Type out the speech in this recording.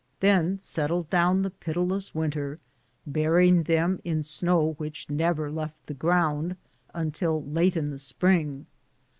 Then settled down the pitiless win ter, burying them in snow which never left the ground until late in the spring.